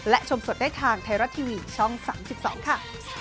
และชมสดได้ทางไทยรัฐทีวีช่อง๓๒ค่ะ